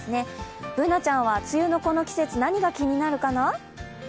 Ｂｏｏｎａちゃんは梅雨のこの季節何が気になるかな？